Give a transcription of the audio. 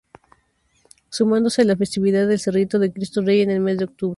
Sumándose la festividad del Cerrito de Cristo Rey en el mes de octubre.